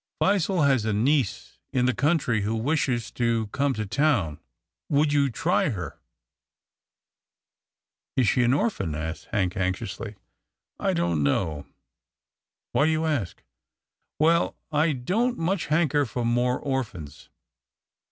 Phizelle has a niece THE TORRAINES 343 in the country who wishes to come to town. Would you try her ?" "Is she an orphan?" asked Hank anxiously. " I don't know. Why do you ask? "" Well, I don't much hanker for more orphans."